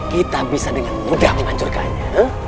kita bisa dengan mudah menghancurkannya